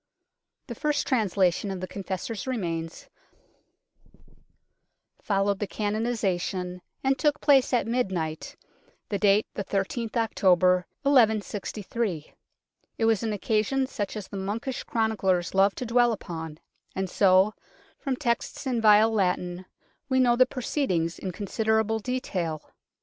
The first translation of the Confessor's remains followed the canonization, and took place at midnight, the date the I3th October 1163. It was an occasion such as the monkish chroniclers loved to dwell upon, and so, from texts in vile Latin, we know the proceedings in considerable detail.